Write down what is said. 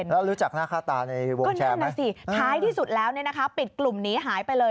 แล้วรู้จักหน้าค่าตาในวงแชร์ไหมก็นั่นน่ะสิท้ายที่สุดแล้วเนี่ยนะคะปิดกลุ่มนี้หายไปเลย